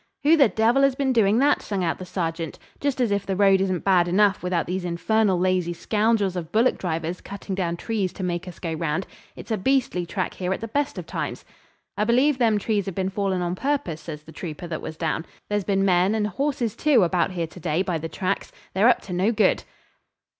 'Who the devil has been doing that?' sung out the sergeant. 'Just as if the road isn't bad enough without these infernal lazy scoundrels of bullock drivers cutting down trees to make us go round. It's a beastly track here at the best of times.' 'I believe them trees have been fallen on purpose,' says the trooper that was down. 'There's been men, and horses too, about here to day, by the tracks. They're up to no good!'